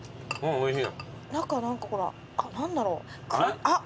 おいしい。